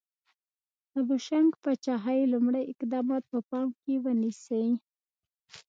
د بوشنګ پاچاهۍ لومړي اقدامات په پام کې ونیسئ.